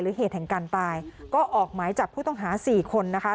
เหตุแห่งการตายก็ออกหมายจับผู้ต้องหาสี่คนนะคะ